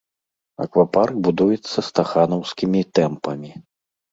Аквапарк будуецца стаханаўскімі тэмпамі.